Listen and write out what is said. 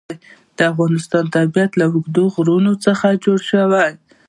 د افغانستان طبیعت له اوږده غرونه څخه جوړ شوی دی.